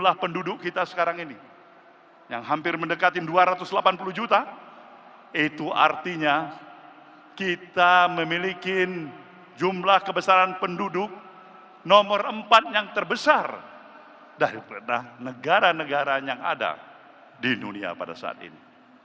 jumlah penduduk kita sekarang ini yang hampir mendekati dua ratus delapan puluh juta itu artinya kita memiliki jumlah kebesaran penduduk nomor empat yang terbesar daripada negara negara yang ada di dunia pada saat ini